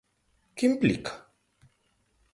¿Que implica?